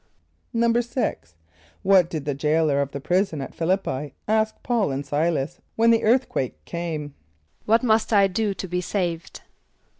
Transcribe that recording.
= =6.= What did the jailor of the prison at Ph[)i] l[)i]p´p[=i] ask P[a:]ul and S[=i]´las when the earthquake came? ="What must I do to be saved?"